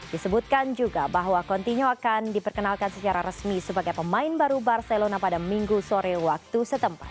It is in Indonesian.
disebutkan juga bahwa continuo akan diperkenalkan secara resmi sebagai pemain baru barcelona pada minggu sore waktu setempat